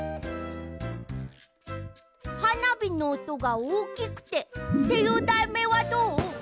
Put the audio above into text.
「はなびのおとがおおきくて」っていうだいめいはどう？